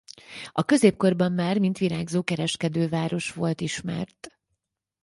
A középkorban már mint virágzó kereskedőváros volt ismert.